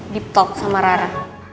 dip talk sama rara